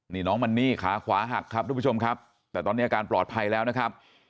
นี่น้องมันนี่ขาขวาหักครับทุกผู้ชมครับแต่ตอนนี้อาการปลอดภัยแล้วนะครับ